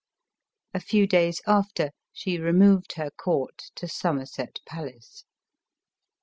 A few days after, 'she removed her court to Somerset palace.